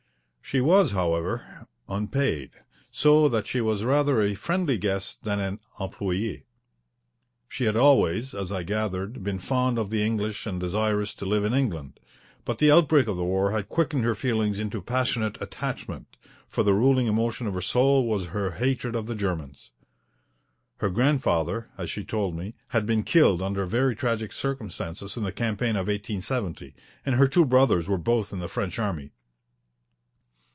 She was, however, unpaid, so that she was rather a friendly guest than an employee. She had always, as I gathered, been fond of the English and desirous to live in England, but the outbreak of the war had quickened her feelings into passionate attachment, for the ruling emotion of her soul was her hatred of the Germans. Her grandfather, as she told me, had been killed under very tragic circumstances in the campaign of 1870, and her two brothers were both in the French army.